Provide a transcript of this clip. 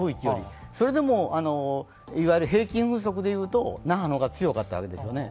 それでもいわゆる平均風速でいうと那覇の方が強かったわけですよね。